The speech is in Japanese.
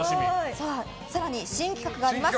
更に、新企画があります。